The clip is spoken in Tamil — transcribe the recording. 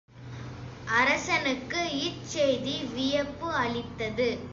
அரசனுக்கு இச்செய்தி வியப்பு அளித்தது.